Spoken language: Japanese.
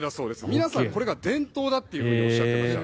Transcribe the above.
皆さんこれは伝統だとおっしゃってました。